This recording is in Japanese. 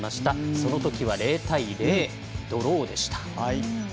その時は０対０のドローでした。